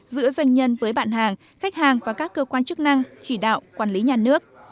giữa doanh nhân với bạn hàng khách hàng và các cơ quan chức năng chỉ đạo quản lý nhà nước